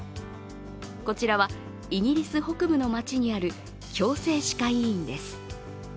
こちらはイギリス北部の街にある矯正歯科医院です。